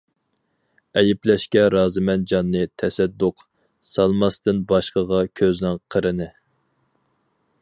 ئەيلەشكە رازىمەن جاننى تەسەددۇق، سالماستىن باشقىغا كۆزنىڭ قىرىنى.